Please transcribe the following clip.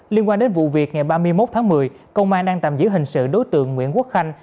liên quan đến vụ việc ngày ba mươi một tháng một mươi công an đang tạm giữ hình sự đối tượng nguyễn quốc khanh